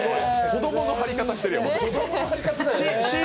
子供の貼り方してる。